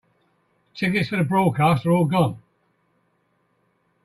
Tickets for the broadcast are all gone.